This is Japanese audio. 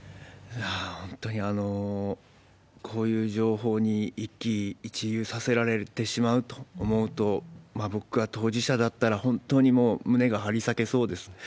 本当にこういう情報に一喜一憂させられてしまうと思うと、僕が当事者だったら、本当にもう胸が張り裂けそうです。